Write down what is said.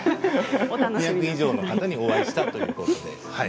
２００人以上の方にお会いしたということで。